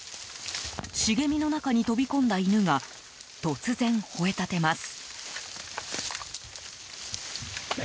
茂みの中に飛び込んだ犬が突然、ほえ立てます。